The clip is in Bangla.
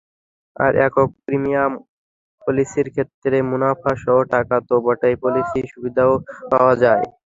আর, একক প্রিমিয়াম পলিসির ক্ষেত্রে মুনাফাসহ টাকা তো বটেই, পলিসি সুবিধাও পাওয়া যায়।